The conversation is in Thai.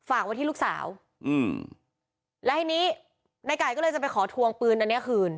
ฝากไว้ที่ลูกสาวอืมแล้วทีนี้ในไก่ก็เลยจะไปขอทวงปืนอันเนี้ยคืน